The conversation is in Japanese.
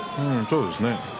そうですね